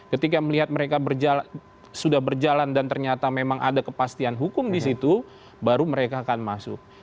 ketika melihat mereka sudah berjalan dan ternyata memang ada kepastian hukum di situ baru mereka akan masuk